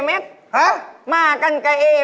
แมทนี่คือ